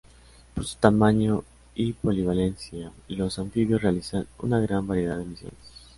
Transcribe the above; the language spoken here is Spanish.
Por su tamaño y polivalencia los anfibios realizan una gran variedad de misiones.